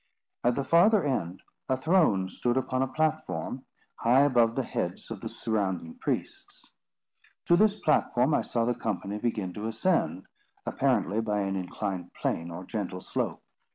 At the farther end a throne stood upon a platform, high above the heads of the surrounding priests. To this platform I saw the company begin to ascend, apparently by an inclined plane or gentle slope.